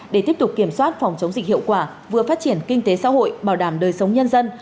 để tiếp tục kiểm soát phòng chống dịch hiệu quả vừa phát triển kinh tế xã hội bảo đảm đời sống nhân dân